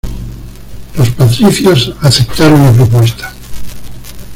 Los patricios aceptaron la propuesta.